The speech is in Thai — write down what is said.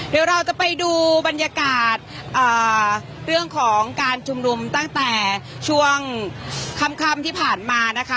เดี๋ยวเราจะไปดูบรรยากาศเรื่องของการชุมนุมตั้งแต่ช่วงค่ำที่ผ่านมานะคะ